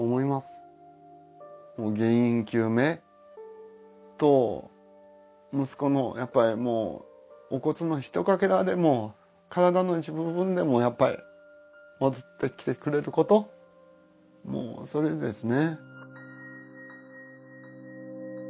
原因究明と息子のやっぱりもうお骨のひとかけらでも体の一部分でもやっぱり戻ってきてくれることもうそれですね。